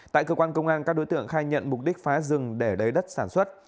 tại cơ quan công an các đối tượng khai nhận mục đích phá rừng để lấy đất sản xuất